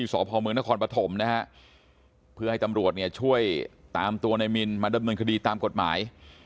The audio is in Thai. สพมนครปฐมนะฮะเพื่อให้ตำรวจเนี่ยช่วยตามตัวในมินมาดำเนินคดีตามกฎหมาย